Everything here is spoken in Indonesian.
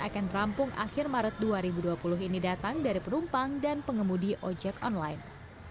akan rampung akhir maret dua ribu dua puluh ini datang dari penumpang dan pengemudi ojek online